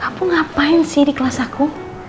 aku ngapain sih di kelas aku